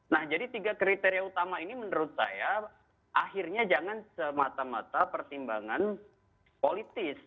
nah jadi tiga kriteria utama ini menurut saya akhirnya jangan semata mata pertimbangan politis